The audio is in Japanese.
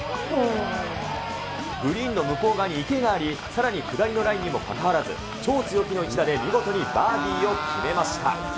グリーンの向こう側に池があり、さらに下りのラインにもかかわらず、超強気の一打で見事にバーディーを決めました。